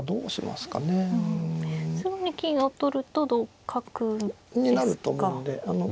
すぐに金を取ると同角ですか。